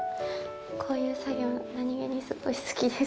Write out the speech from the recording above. こういう作業、何げにすごい好きです。